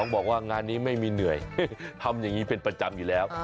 บอกว่างานนี้ไม่มีเหนื่อยทำอย่างนี้เป็นประจำอยู่แล้ว